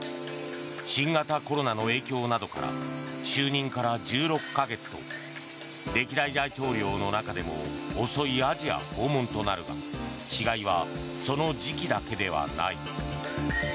新型コロナの影響などから就任から１６か月と歴代大統領の中でも遅いアジア訪問となるが違いは、その時期だけではない。